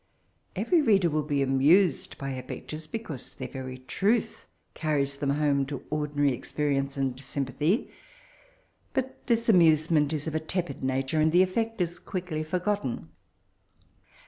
Every reader will be amnsed by her pio tnres, becaose their very trotii car ries them home to ordmary exp^i ence and sympathy ; bat this amnse ment is of a tepid natore, and the effect \b qoickly forgotten.